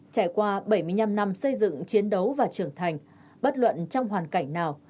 trải qua bảy mươi năm năm xây dựng chiến đấu và trưởng thành bất luận trong hoàn cảnh nào